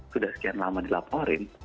sudah sekian lama dilaporin